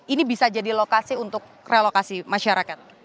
ini bisa jadi lokasi untuk relokasi masyarakat